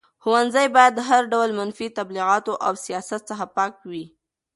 ښوونځي باید د هر ډول منفي تبلیغاتو او سیاست څخه پاک وي.